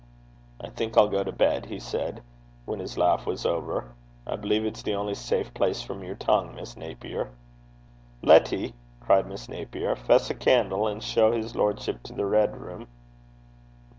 'I think I'll go to bed,' he said when his laugh was over. 'I believe it's the only safe place from your tongue, Miss Naper.' 'Letty,' cried Miss Napier, 'fess a can'le, and show his lordship to the reid room.'